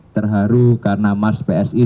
terharu karena mars psi